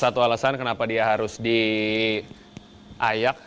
satu alasan kenapa dia harus diayak